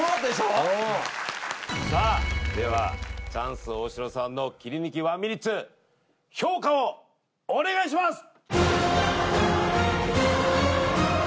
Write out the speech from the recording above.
うんさあではチャンス大城さんの切り抜き１ミニッツ評価をお願いします